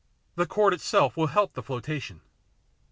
The cord itself will help the flotation."